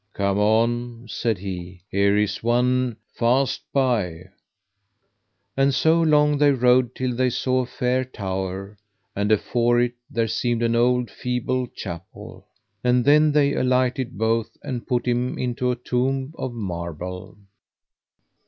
Come on, said he, here is one fast by; and so long they rode till they saw a fair tower, and afore it there seemed an old feeble chapel. And then they alighted both, and put him into a tomb of marble.